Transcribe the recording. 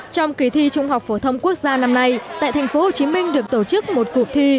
trong kỳ thi trung học phổ thông quốc gia năm nay tại thành phố hồ chí minh được tổ chức một cuộc thi